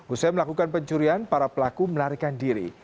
usai melakukan pencurian para pelaku melarikan diri